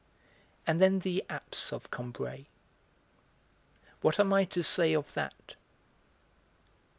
And then the apse of Combray: what am I to say of that?